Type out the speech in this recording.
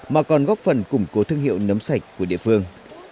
mà còn góp phần củng cố thương hiệu nấm sạch của địa phương